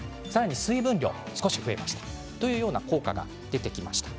水分量は少し増えましたというような効果がありました。